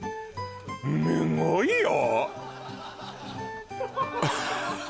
すんごいよ！？